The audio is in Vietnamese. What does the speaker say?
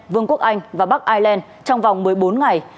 vương quốc anh và bắc ireland trong vòng một mươi bốn ngày